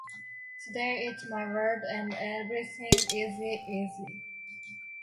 Today it's my world and everything's easy, easy.